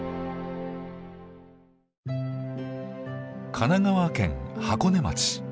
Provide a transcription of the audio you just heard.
神奈川県箱根町。